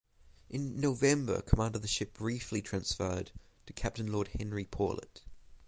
In November command of the ship briefly transferred to Captain Lord Henry Paulet.